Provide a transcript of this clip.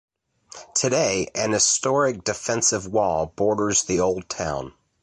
Today an historic defensive wall borders the old town.